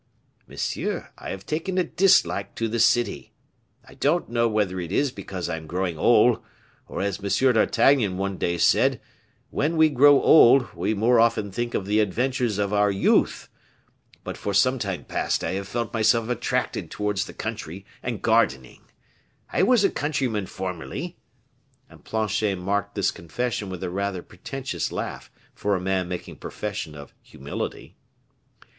"Monsieur, I have taken a dislike to the city; I don't know whether it is because I am growing old, and as M. d'Artagnan one day said, when we grow old we more often think of the adventures of our youth; but for some time past I have felt myself attracted towards the country and gardening. I was a countryman formerly." And Planchet marked this confession with a rather pretentious laugh for a man making profession of humility.